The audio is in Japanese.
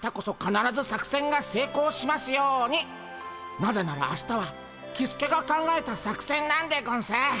なぜなら明日はキスケが考えた作戦なんでゴンス。